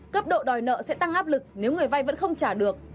cấp độ đòi nợ sẽ tăng áp lực nếu người vay vẫn không trả được